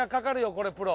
これプロ。